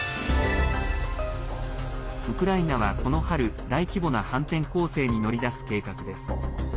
ウクライナは、この春大規模な反転攻勢に乗り出す計画です。